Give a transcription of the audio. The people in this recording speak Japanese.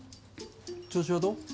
調子はどう？